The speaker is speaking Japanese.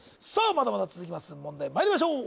まだまだ続きます問題にまいりましょう